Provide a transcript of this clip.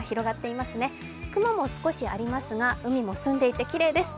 寝る雲も少しありますが海も澄んでいてきれいです。